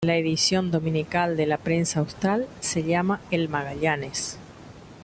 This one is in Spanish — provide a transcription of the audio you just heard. La edición dominical de La Prensa Austral se llama "El Magallanes".